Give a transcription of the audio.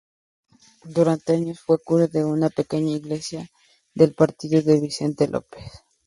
Durante años fue cura de una pequeña iglesia del partido de Vicente López.